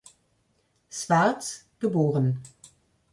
Swartz, geboren.